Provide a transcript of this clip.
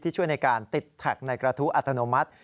ช่วยในการติดแท็กในกระทู้อัตโนมัติ